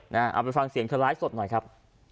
นะเอาไปฟังเสียงเพราะร้ายสดหน่อยครับ